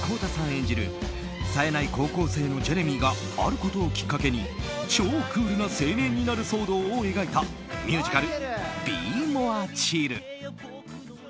演じるさえない高校生のジェレミーがあることをきっかけに超クールな青年になる騒動を描いたミュージカルＨｅｙ！